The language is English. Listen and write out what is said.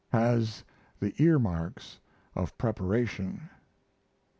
Has the ear marks of preparation.